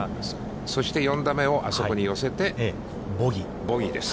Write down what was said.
そして４打目をあそこに寄せて、ボギーです。